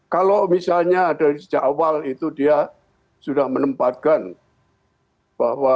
kalau misalnya dari sejak awal itu dia sudah menempatkan bahwa